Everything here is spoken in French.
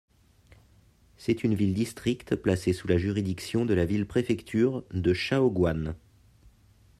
C'est une ville-district placée sous la juridiction de la ville-préfecture de Shaoguan.